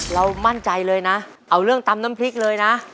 เรามั่นใจเลยนะเอาเรื่องตำน้ำพริกเลยนะ